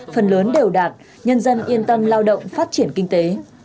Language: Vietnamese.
phần lớn đều đạt nhân dân yên tâm lao động phát triển kinh tế